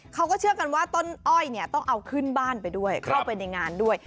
เขาก็เชื่อกันว่าต้นอ้อยเนี่ยต้องเอาขึ้นบ้านไปด้วยเข้าไปในงานด้วย